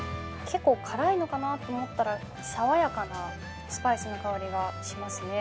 結構、辛いのかなと思ったら爽やかなスパイスの香りがしますね。